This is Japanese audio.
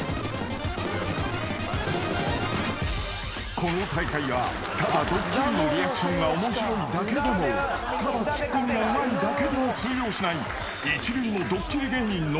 ［この大会はただドッキリのリアクションが面白いだけでもただツッコミがうまいだけでも通用しない］